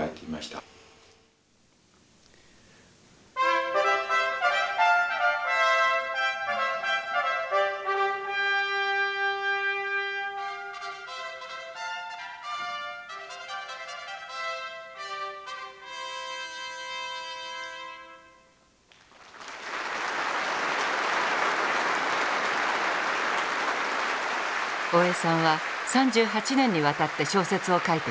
大江さんは３８年にわたって小説を書いてきました。